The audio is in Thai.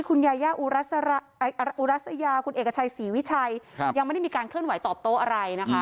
ยายาอุรัสยาคุณเอกชัยศรีวิชัยยังไม่ได้มีการเคลื่อนไหวตอบโต้อะไรนะคะ